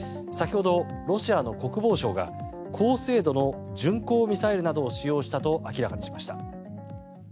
先ほど、ロシアの国防相が高精度の巡航ミサイルなどを使用したと明らかにしました。